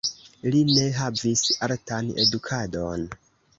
Li ne havis artan edukadon.